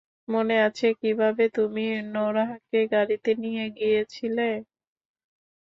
মনে আছে কিভাবে তুমি নোরাহকে গাড়িতে নিয়ে গিয়েছিলে?